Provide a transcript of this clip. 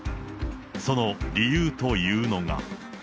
その理由というのが。